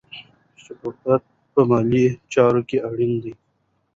شفافیت په مالي چارو کې اړین دی.